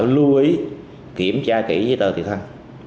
lưu ý kiểm tra kỹ với tờ tùy thân